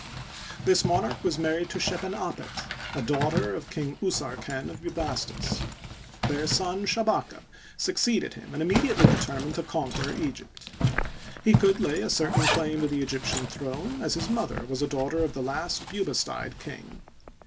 This monarch was married to Shep^en apet, a daughter of Kine Usarken, of Bubastis. Their son, Shabaka, suc ceeded him, and immediately determined to conquer Eg^t. He could lay a certain claim to the Egyptian throne, as his mother was a daughter of the last Bubastide King.